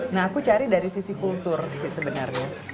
nah aku cari dari sisi culture sebenarnya